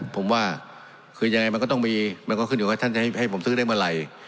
ผมว่าคือยังไงมันก็ต้องมีมันก็ขึ้นอยู่ว่าท่านจะให้ผมซื้อได้เมื่อไหร่